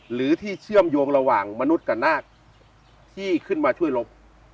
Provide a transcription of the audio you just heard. หรือที่เชื่อมโยงระหว่างมนุษย์กับนาคที่ขึ้นมาช่วยลบ